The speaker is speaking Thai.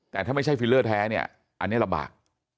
แต่ถ้าไม่ใช่ฟิลเลอร์แท้อันนี้ระบาก